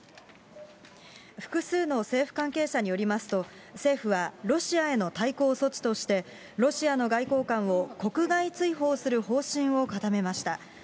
複数の政府関係者によりますと、政府はロシアへの対抗措置として、ロシアの外交官を国外追放する方針を固めました。